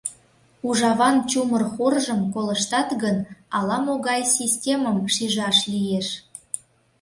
Ужаван чумыр хоржым колыштат гын, ала-могай системым шижаш лиеш.